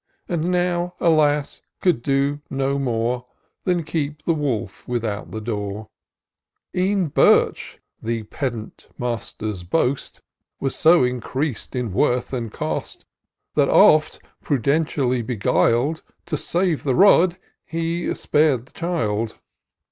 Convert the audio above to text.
And now, alas ! could do no more. Than keep the wolf without the door. IN SEARCH OF THE FICTURESQUE. 3 E'en birch^ the pedant master's boast. Was so increas'd in worth and cost, That oft, prudentially beguil'd, To save the rod, he spar'd the child.